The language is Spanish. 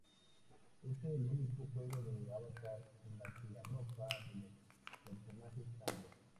Es el único juego de avatar en que la ropa de los personajes cambia.